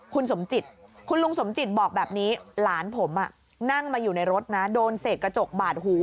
คุณลุงสมจิตบอกแบบนี้หลานของผมนั่งอยู่ในรถโดนเสกกระจกบาดหู